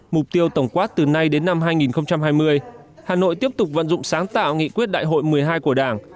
mục tiêu tổng quát từ nay đến năm hai nghìn hai mươi hà nội tiếp tục vận dụng sáng tạo nghị quyết đại hội một mươi hai của đảng